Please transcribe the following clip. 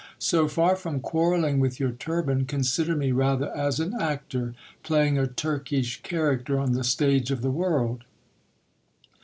So far from quarrelling with your turban, consider me rather as an actor, playing a Turkish character on the stage of the world.